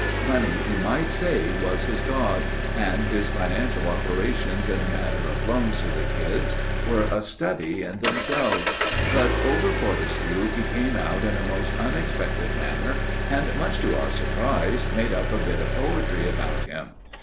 Money, you might say, was his god, and his financial operations in the matter of loans to the kids were a study in themselves. But over Fortescue he came out in a most unexpected manner, and much to our surprise, made up a bit of poetry about him!